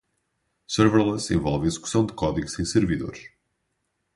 Serverless envolve a execução de código sem servidores.